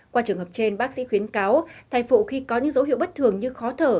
qua trường hợp trên bác sĩ khuyến cáo thay phụ khi có những dấu hiệu bất thường như khó thở